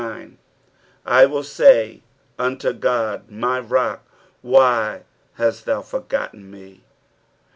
kUI lay unto God my rod, Why halt thou forgotten me."